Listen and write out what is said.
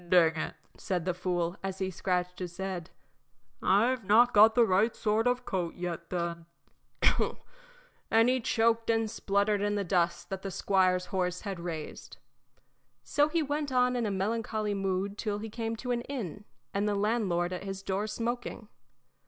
"Dang it!" said the fool, as he scratched his head. "I've not got the right sort of coat yet, then." And he choked and spluttered in the dust that the squire's horse had raised. So on he went in a melancholy mood till he came to an inn, and the landlord at his door smoking.